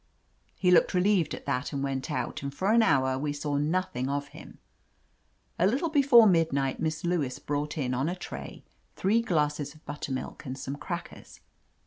He looked relieved at that and went out, and for an hour we saw nothing of him. A little before midnight Miss Lewis brought in on a tray three glasses of buttermilk and some crackers.